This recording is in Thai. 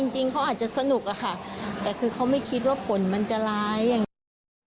จริงเขาอาจจะสนุกอะค่ะแต่คือเขาไม่คิดว่าผลมันจะร้ายอย่างนี้